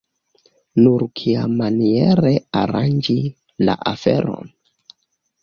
Nur kiamaniere aranĝi la aferon?